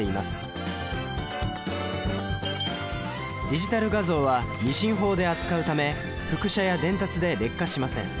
ディジタル画像は２進法で扱うため複写や伝達で劣化しません。